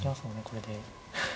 これで。